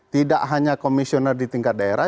tidak hanya komisioner di tingkat daerah